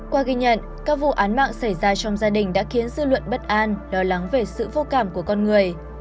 qua ghi nhận các vụ án mạng xảy ra trong gia đình đã khiến dư luận bất an lo lắng về sự vô cảm của con người